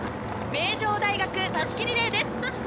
名城大学が襷リレーです。